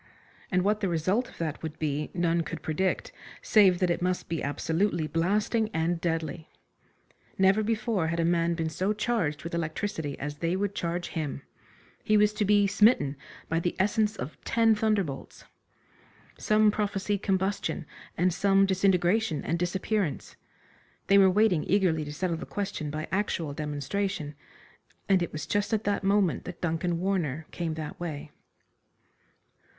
And what the result of that would be none could predict, save that it must be absolutely blasting and deadly. Never before had a man been so charged with electricity as they would charge him. He was to be smitten by the essence of ten thunderbolts. Some prophesied combustion, and some disintegration and disappearance. They were waiting eagerly to settle the question by actual demonstration, and it was just at that moment that Duncan Warner came that way.